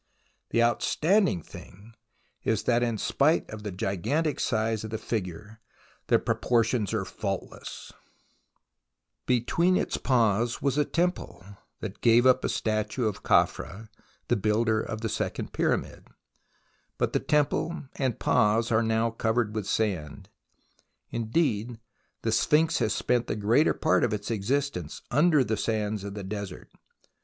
The astounding thing is that in spite of the gigantic size of the figure, the proportions are faultless. Between its paws was a temple, that gave up a < z S < lii o H <<, 2 O ■y. H o o w I J < THE ROMANCE OF EXCAVATION 69 statue of Khafra, the builder of the Second Pyramid, but temple and paws are now covered with sand. Indeed the Sphinx has spent the greater part of its existence under the sands of the desert.